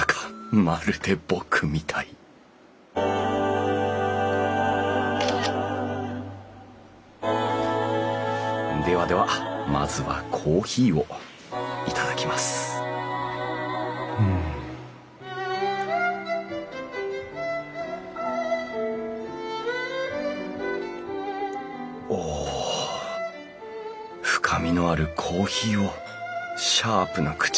まるで僕みたいではではまずはコーヒーを頂きますうん。おお。深味のあるコーヒーをシャープな口当たりの磁器で頂く。